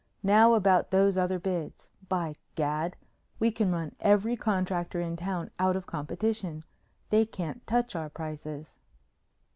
Now about those other bids. By gad! We can run every contractor in town out of competition! They can't touch our prices!"